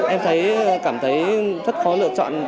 em cảm thấy rất khó lựa chọn